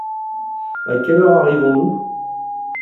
À quelle heure arrivons-nous ?